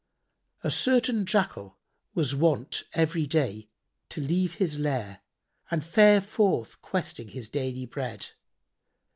A certain Jackal was wont every day to leave his lair and fare forth questing his daily bread.